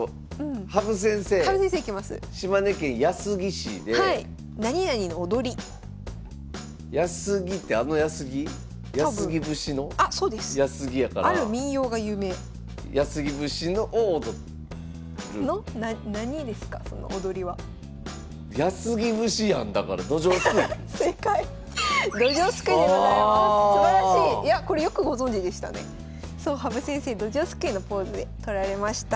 そう羽生先生ドジョウすくいのポーズで撮られました。